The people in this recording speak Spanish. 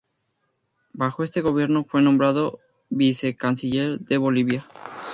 Bajo este gobierno, fue nombrado vicecanciller de Bolivia.